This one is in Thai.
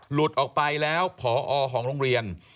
หลุดออกไปแล้วพอของโรงเรียน